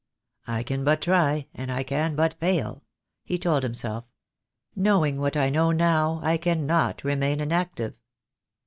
"I can but try, and I can but fail," he told himself. "Knowing what I know now, I cannot remain inactive."